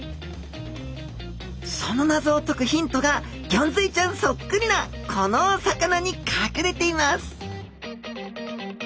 その謎を解くヒントがギョンズイちゃんそっくりなこのお魚に隠れています